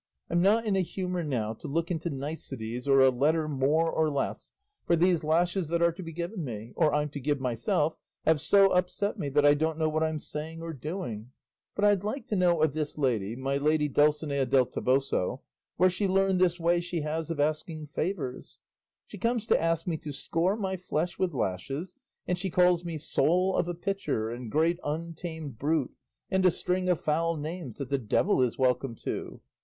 "I'm not in a humour now to look into niceties or a letter more or less, for these lashes that are to be given me, or I'm to give myself, have so upset me, that I don't know what I'm saying or doing. But I'd like to know of this lady, my lady Dulcinea del Toboso, where she learned this way she has of asking favours. She comes to ask me to score my flesh with lashes, and she calls me soul of a pitcher, and great untamed brute, and a string of foul names that the devil is welcome to.